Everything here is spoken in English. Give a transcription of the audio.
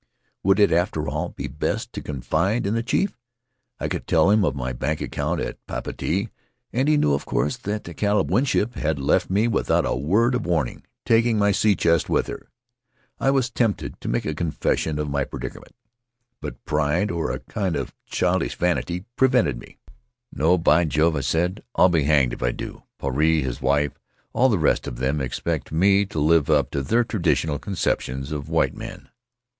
Would it, after all, be best to confide in the chief? I could tell him of my bank account at Papeete, and he knew, of course, that the Caleb Winship had left me without a word of warning, taking my sea chest with her. I was tempted to make a confession of my predicament, but pride or a kind of childish vanity prevented me. Faery Lands of the South Seas "No, by Jove!" I said. "I'll be hanged if I do! Puarei, his wife — all the rest of them — expect me to live up to their traditional conceptions of white men.